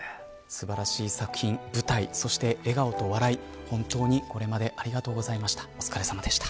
素晴らしい作品、舞台、笑顔と本当にこれまでありがとうございました。